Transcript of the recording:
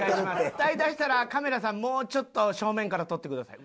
歌い出したらカメラさんもうちょっと正面から撮ってください。